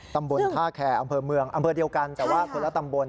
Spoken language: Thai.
ตำบลท่าแคร์อำเภอเมืองอำเภอเดียวกันแต่ว่าคนละตำบล